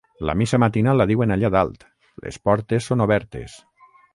La missa matinal la diuen allà dalt: les portes són obertes.